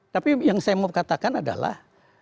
tapi yang saya mau katakan adalah